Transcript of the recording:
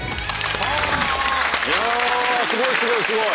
すごいすごいすごい！